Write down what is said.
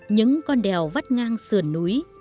những con đèo vắt ngang sườn núi